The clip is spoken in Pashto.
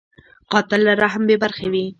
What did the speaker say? قاتل له رحم بېبرخې وي